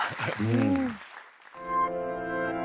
うん。